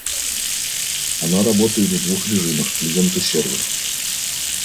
Оно работает в двух режимах: клиент и сервер